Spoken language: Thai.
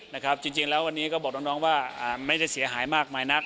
นะครับจริงจริงแล้ววันนี้ก็บอกน้องน้องว่าอ่าไม่จะเสียหายมากมายนัก